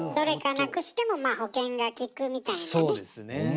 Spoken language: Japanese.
どれかなくしてもまあ保険がきくみたいなね。